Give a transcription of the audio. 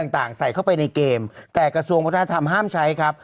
ต่างใส่เข้าไปในเกมแต่กระทรวงวัฒนธรรมห้ามใช้ครับ